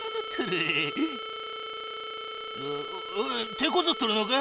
てこずっとるのか？